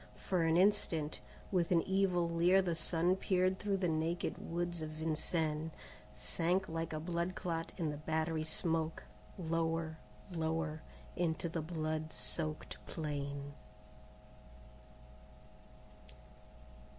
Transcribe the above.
For an instant, with an evil leer the sun peered through the naked woods of Vincennes, sank like a blood clot in the battery smoke, lower, lower, into the blood soaked plain.